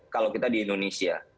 kalau kita di indonesia